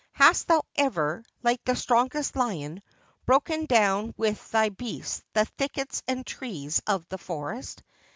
Hast thou ever, like the strongest lion, broken down with thy breast the thickets and trees of the forest?